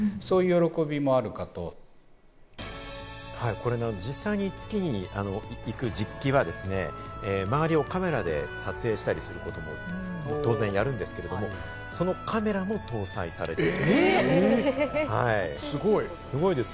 これ、実際に月に行く実機は周りをカメラで撮影したりすることも当然やるんですけど、そのカメラも搭載されているということなんです。